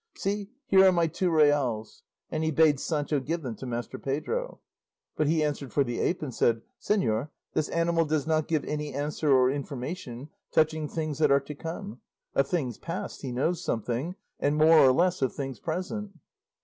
See, here are my two reals," and he bade Sancho give them to Master Pedro; but he answered for the ape and said, "Señor, this animal does not give any answer or information touching things that are to come; of things past he knows something, and more or less of things present."